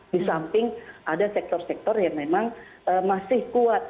di samping ada sektor sektor yang memang masih kuat